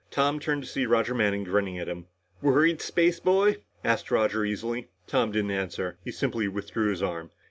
Tom turned to see Roger Manning grinning at him. "Worried, spaceboy?" asked Roger easily. Tom didn't answer. He simply withdrew his arm.